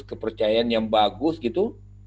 kepercayaan yang bagus gitu